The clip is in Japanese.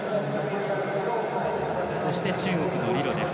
そして中国の李露です。